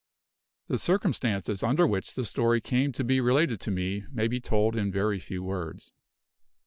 The circumstances under which the story came to be related to me may be told in very few words.